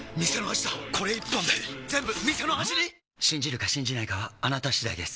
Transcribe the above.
信じるか信じないかはあなた次第です